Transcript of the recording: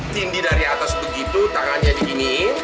tinggi dari atas begitu tangannya dikini